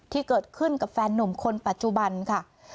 ที่เกิดขึ้นกับแฟนหนุ่มคนปัจจุบันค่ะ